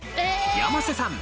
山瀬さん